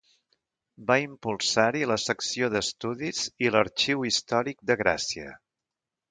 Va impulsar-hi la Secció d'Estudis i l'Arxiu Històric de Gràcia.